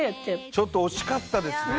ちょっと惜しかったですね。